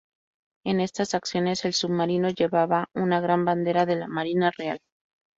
En estas acciones el submarino llevaba una gran bandera de la Marina Real.